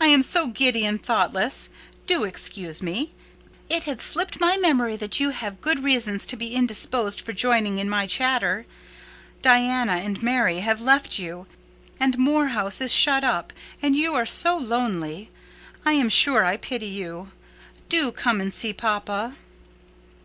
"I am so giddy and thoughtless! Do excuse me. It had slipped my memory that you have good reasons to be indisposed for joining in my chatter. Diana and Mary have left you, and Moor House is shut up, and you are so lonely. I am sure I pity you. Do come and see papa."